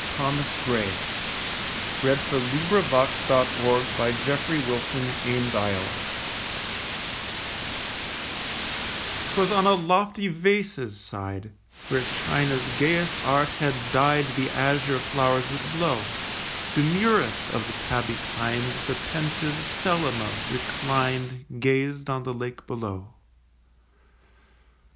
Thomas Gray< On a Favourite Cat, Drowned in a Tub of Gold Fishes 'TWAS on a lofty vase's side, Where China's gayest art had dyed The azure flowers that blow; Demurest of the tabby kind, The pensive Selima reclined, Gazed on the lake below.